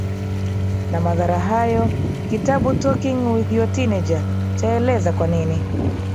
na madhara hayo Kitabu Talking With Your Teenager chaeleza kwa nini